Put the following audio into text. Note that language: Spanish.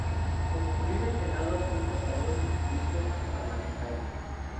Como ocurrió en el Senado, fue el portavoz de su grupo parlamentario.